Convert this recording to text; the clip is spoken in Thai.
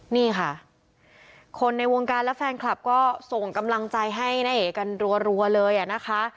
นี่ค่ะคนในวงการและแฟนคลับก็ส่งกำลังใจให้ณเอกกันรัวเลยอ่ะนะคะ